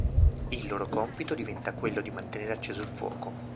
Il loro compito diventa quello di mantenere acceso il fuoco.